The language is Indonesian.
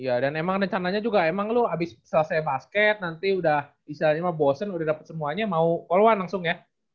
iya dan emang rencananya juga emang lu abis selesai basket nanti udah istilahnya bosen udah dapet semuanya mau all one langsung ya